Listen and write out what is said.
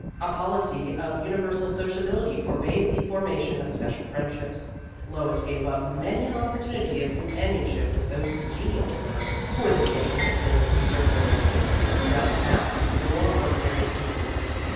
A policy of universal sociability forbade the formation of special friendships. Lois gave up many an opportunity of compan ionship with those congenial to her, for the sake of extending her circle of ac quaintances throughout the mass of more ordinary students.